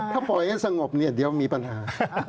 ถ้าปล่อยให้สงบเนี่ยเดี๋ยวมีปัญหา